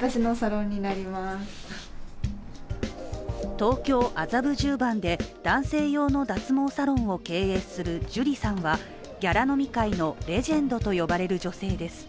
東京・麻布十番で男性用の脱毛サロンを経営するＪＵＲＩさんは、ギャラ飲み界のレジェンドと呼ばれる女性です